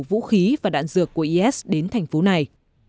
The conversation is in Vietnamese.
vũ khí và đạn dược của is đến thành phố này